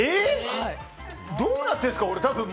どうなってるんですか俺。